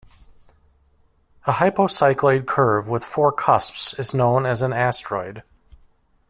A hypocycloid curve with four cusps is known as an astroid.